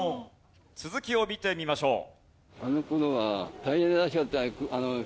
続きを見てみましょう。